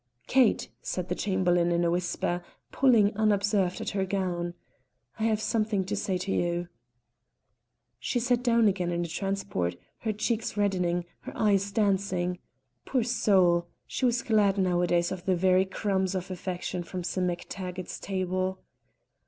"Kate," said the Chamberlain in a whisper, pulling unobserved at her gown, "I have something to say to you." She sat down again in a transport, her cheeks reddening, her eyes dancing; poor soul! she was glad nowadays of the very crumbs of affection from Sim MacTaggart's table.